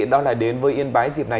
đó là đến với yên bái dịp này